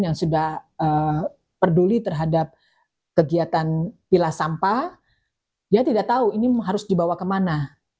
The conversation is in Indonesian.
yang sudah peduli terhadap kegiatan pilas sampah ya tidak tahu ini harus dibawa ke mana